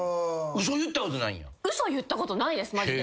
嘘言ったことないですマジで。